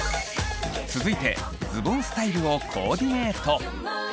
続いてズボンスタイルをコーディネート。